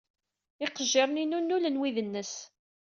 Iqejjiren-inu nnulen wid-nnes.